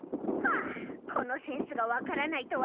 あこのセンスがわからないとは。